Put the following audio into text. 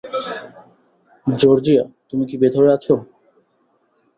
Georgia, তুমি কি ভেতরে আছো?